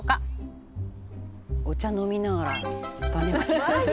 「お茶飲みながら種まき」